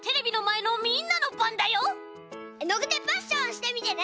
えのぐでパッションしてみてね！